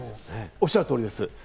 おっしゃる通りです。